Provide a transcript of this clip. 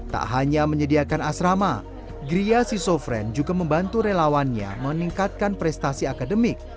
tak hanya menyediakan asrama gria sisofren juga membantu relawannya meningkatkan prestasi akademik